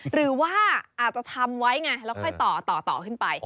หรือว่าอาจจะทำไว้ไงแล้วค่อยต่อขึ้นไป